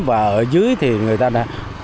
và ở dưới thì người ta đã